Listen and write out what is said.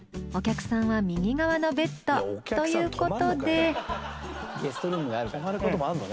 お客さんは右側のベッドということで。